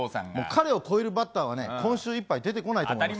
彼を超えるバッターは今週いっぱい出てこないと思います。